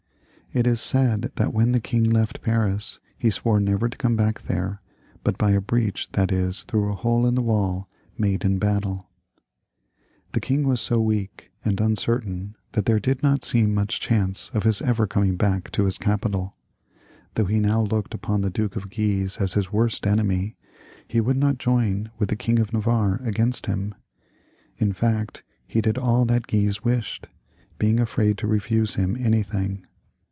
It is said that when the king left Paris, he swore never to come back there but by a breach, that is, through a hole in the wall of a town made in battle. The king was so weak and uncertain that there did not seem much chance of his ever coming back to his capital. Though he now looked upon the Duke of Guise as his worst enemy, he would not join with the King of Navarre against him ; in fact, he did all that Guise wished, being afraid to refuse him anything.